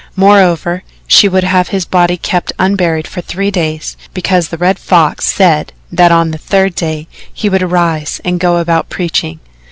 Moreover, she would have his body kept unburied for three days, because the Red Fox said that on the third day he would arise and go about preaching.